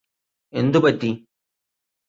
എന്തു പറ്റി